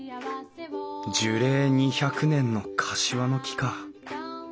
樹齢２００年のカシワの木か。